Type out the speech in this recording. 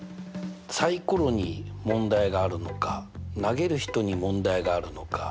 サイコロに問題があるのか投げる人に問題があるのか。